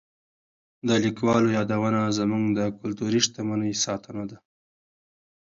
د لیکوالو یادونه زموږ د کلتوري شتمنۍ ساتنه ده.